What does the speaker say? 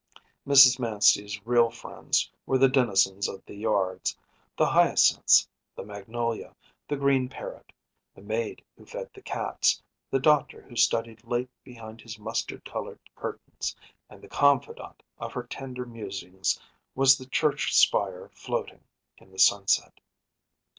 Mrs. Manstey’s real friends were the denizens of the yards, the hyacinths, the magnolia, the green parrot, the maid who fed the cats, the doctor who studied late behind his mustard colored curtains; and the confidant of her tenderer musings was the church spire floating in the sunset.